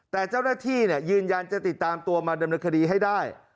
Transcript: แต่เจ้าหน้าที่ยืนยันจะติดตามตัวมาดำเนินคดีให้ได้